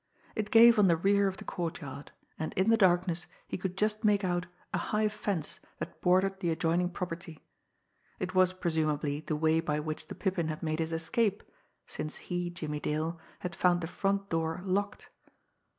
It gave on the rear of the courtyard, and in the darkness he could just make out a high fence that bordered the adjoining property. It was presumably the way by which the Pippin had made his escape, since he, Jimmie Dale, had found the front door locked.